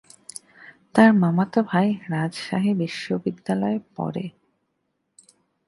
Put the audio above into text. তার মামাতো ভাই রাজশাহী বিশ্বনিদ্যালয়ে পড়ে।